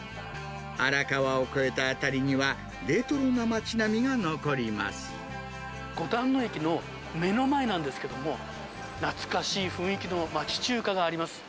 荒川を越えた辺りには、五反野駅の目の前なんですけども、懐かしい雰囲気の町中華があります。